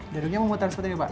daduknya memutar seperti ini pak